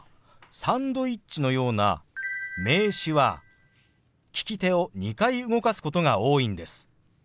「サンドイッチ」のような名詞は利き手を２回動かすことが多いんです。